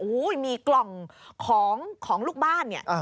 โอ้โหมีกล่องของลูกบ้านเนี่ย